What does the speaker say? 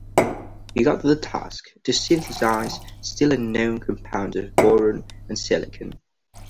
He got the task to synthesize still unknown compounds of boron and silicon.